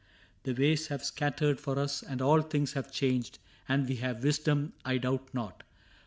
The ways have scattered for us, and all things Have changed; and we have wisdom, I doubt not.